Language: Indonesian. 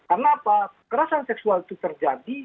kenapa kerasan seksual itu terjadi